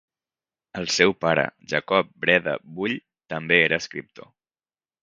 El seu pare Jacob Breda Bull també era escriptor.